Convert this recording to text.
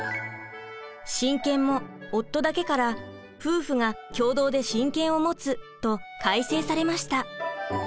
親権も「夫だけ」から「夫婦が共同で親権を持つ」と改正されました。